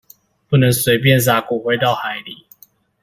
不能隨便灑骨灰到海裡